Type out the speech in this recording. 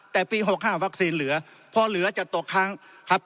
แต่ปี๖๕วัคซีนเหลือพอเหลือจะตกค้างครับ